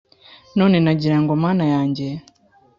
none nagira ngo mana yanjye